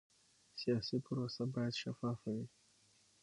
سیاسي پروسه باید شفافه وي